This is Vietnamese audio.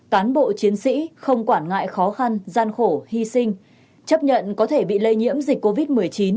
cán bộ chiến sĩ không quản ngại khó khăn gian khổ hy sinh chấp nhận có thể bị lây nhiễm dịch covid một mươi chín